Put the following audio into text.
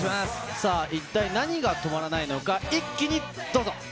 さあ、一体何が止まらないのか、一気にどうぞ。